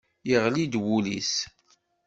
Yeɣli-d wul-is.